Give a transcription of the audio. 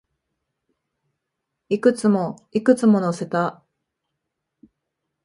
いくつも、いくつも乗せた